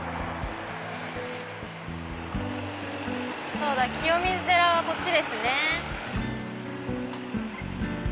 そうだ清水寺はこっちですね。